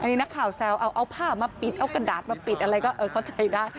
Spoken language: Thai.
นี่นักข่าวแซวเอาผ้ามาปิดเอากระดาษมาปิดอะไรก็เข้าใจได้